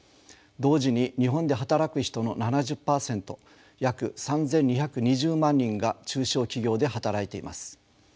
同時に日本で働く人の７０％約３，２２０万人が中小企業で働いています。